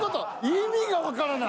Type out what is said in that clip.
意味がわからない。